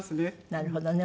なるほどね。